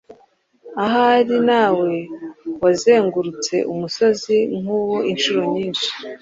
Ahari nawe wazengurutse umusozi nk’uwo inshuro nyinshi